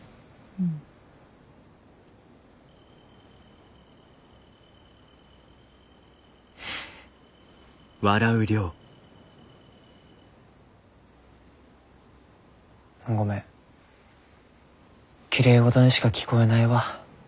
ごめんきれいごどにしか聞こえないわ。